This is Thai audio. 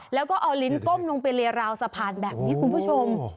แล้วก็เอาลิ้นก้มลงไปเรียราวสะพานแบบนี้คุณผู้ชม